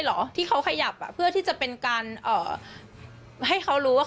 เหรอที่เขาขยับเพื่อที่จะเป็นการให้เขารู้ว่า